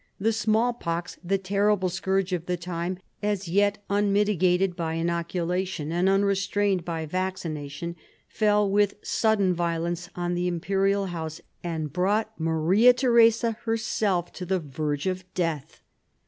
The smallpox, the terrible scourge of the time, as yet unmitigated by inoculation and unrestrained by vaccina tion, fell with sudden violence on the Imperial House and brought Maria Theresa herself to the verge of death.